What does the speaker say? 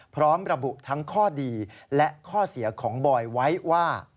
พร้อมระบุทั้งข้อดีและข้อเสียของบอยไว้ว่า